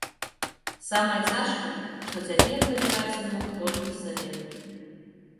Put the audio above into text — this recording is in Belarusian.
Самае цяжкае, што цяпер давяраць ён мог толькі сабе.